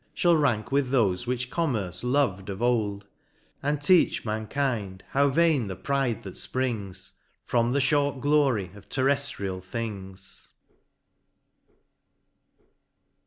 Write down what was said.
Shall rank with thofe which Commerce lov'd of old ; And teach mankind, how vain the pride, that fprings From the fhort glory of terreftrial things.